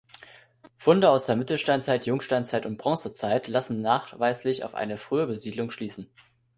Funde aus der Mittelsteinzeit, Jungsteinzeit und Bronzezeit lassen nachweislich auf eine frühe Besiedlung schließen.